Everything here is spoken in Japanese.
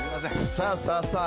さあさあさあ